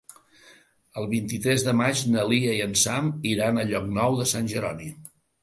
El vint-i-tres de maig na Lia i en Sam iran a Llocnou de Sant Jeroni.